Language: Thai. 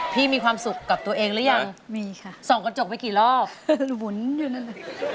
มีความสุขกับตัวเองหรือยังมีค่ะส่องกระจกไปกี่รอบหมุนอยู่นั่นน่ะ